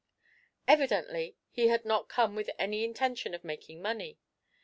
Evidently he had not come with any intention of making money.